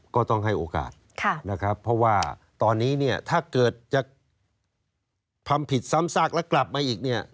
ก็ต้องให้โอกาสนะครับเพราะว่าตอนนี้เนี่ยถ้าเกิดจะทำผิดซ้ำซากแล้วกลับมาอีกเนี่ย